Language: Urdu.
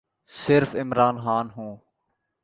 صرف عمران خان ہوں۔